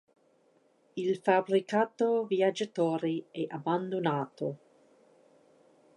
Il fabbricato viaggiatori è abbandonato.